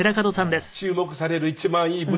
注目される一番いい舞台